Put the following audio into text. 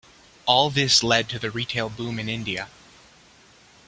All this led to the retail boom in India.